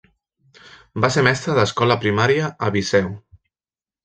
Va ser mestra d'escola primària a Viseu.